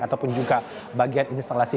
ataupun juga bagian instalasi